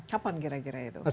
kapan kira kira itu